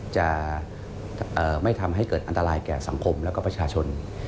จะไม่ทำให้เกิดอันตรายแก่สังคมและก็ประชาชน